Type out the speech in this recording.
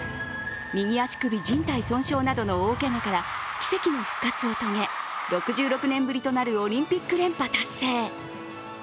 右足首じん帯損傷などの大けがから奇跡の復活を遂げ、６６年ぶりとなるオリンピック連覇達成。